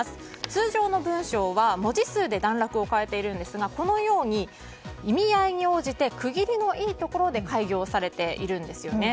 通常の文章は文字数で段落を変えているんですがこのように意味合いに応じて区切りのいいところで改行されているんですよね。